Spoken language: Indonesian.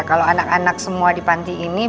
kalau anak anak semua di panti ini